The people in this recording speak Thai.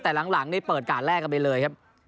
แต่หลังนี่เปิดการแลกกันไปเลยครับ